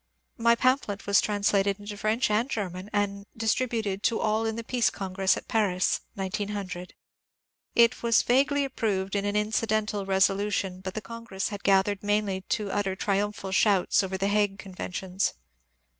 My pamphlet was translated into French and German, and A PREMIUM ON WAR 451 distributed to all in the Peace Congress at Paris (1900). It was vaguely approved in an incidental resolution, but the Congress had gathered mainly to utter triumphal shouts over the Hague conventions.